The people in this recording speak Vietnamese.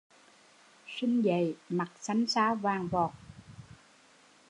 Sinh dậy, mặt xanh xao vàng vọt